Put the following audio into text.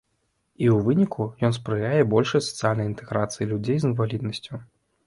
І ў выніку ён спрыяе большай сацыяльнай інтэграцыі людзей з інваліднасцю.